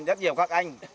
rất nhiều các anh